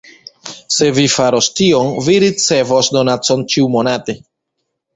Se vi faros tion, vi ricevos donacon ĉiu-monate.